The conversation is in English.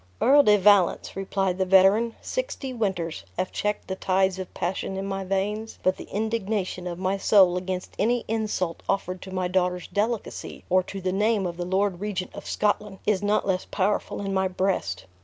"Earl de Valence," replied the veteran, "sixty winters have checked the tides of passion in my veins; but the indignation of my soul against any insult offered to my daughter's delicacy, or to the name of the lord regent of Scotland is not less powerful in my breast.